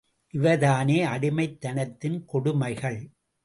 இவைதானே அடிமைத் தனத்தின் கொடுமைகள்?